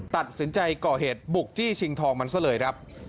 ตัดสินใจก่อเหตุบุกจี้ชิงทองมันซะเลยครับ